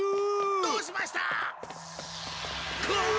どうしました！？グッ！？